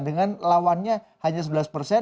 dengan lawannya hanya sebelas persen